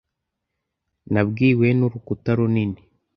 nabwiwe n'urukuta runini